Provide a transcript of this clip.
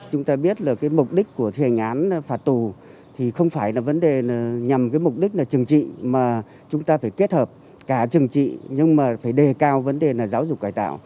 chúng ta biết là cái mục đích của thi hành án phạt tù thì không phải là vấn đề là nhằm cái mục đích là trừng trị mà chúng ta phải kết hợp cả chừng trị nhưng mà phải đề cao vấn đề là giáo dục cải tạo